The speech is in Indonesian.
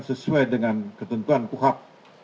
sesuai dengan ketentuan kuhab